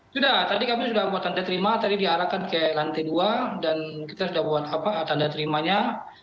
sudah tadi kami sudah buat tanda terima tadi diarahkan ke lantai dua dan kita sudah buat tanda terimanya